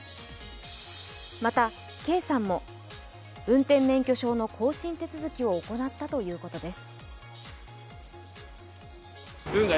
また、圭さんも運転免許証の更新手続きを行ったということです。